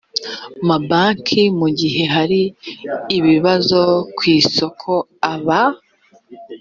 mabanki mu gihe hari ibibazo ku isoko aba